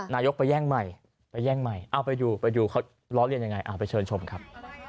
นายกไปแย่งใหม่ไปอยู่ล้อเลียนยังไงไปเชิญชมครับ